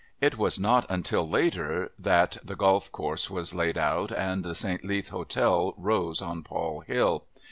It was not until later that the golf course was laid out and the St. Leath Hotel rose on Pol Hill.